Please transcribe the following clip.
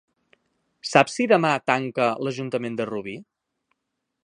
Saps si demà tanca l'Ajuntament de Rubí?